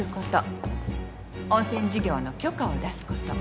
温泉事業の許可を出すこと